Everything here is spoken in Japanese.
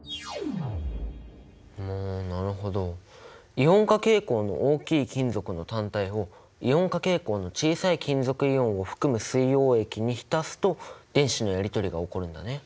イオン化傾向の大きい金属の単体をイオン化傾向の小さい金属イオンを含む水溶液に浸すと電子のやり取りが起こるんだね。